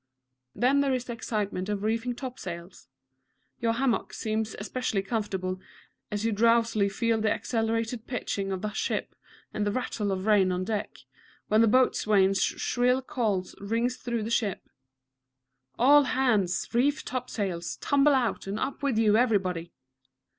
Then there is the excitement of reefing topsails. Your hammock seems especially comfortable as you drowsily feel the accelerated pitching of the ship and the rattle of rain on deck, when the boatswain's shrill call rings through the ship, "All hands, reef topsails; tumble out, and up with you, everybody!"